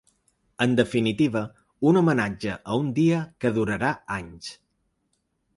En definitiva, un homenatge a un dia que durarà anys.